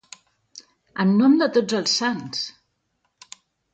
En nom de tots els sants!